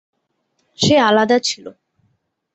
সে আলাদা ছিল।